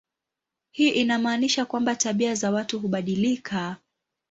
Hii inamaanisha kwamba tabia za watu hubadilika.